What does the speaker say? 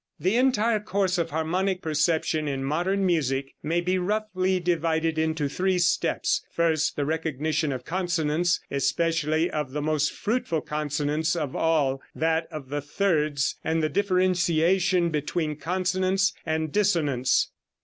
The entire course of harmonic perception in modern music may be roughly divided into three steps: First, the recognition of consonance, especially of the most fruitful consonance of all that of the thirds, and the differentiation between consonance and dissonance.